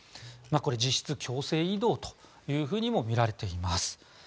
これ実質強制移動というふうにもみられています。